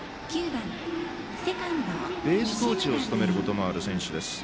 ベースコーチも務めることのある選手です。